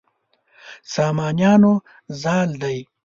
سامانیانو زال دی.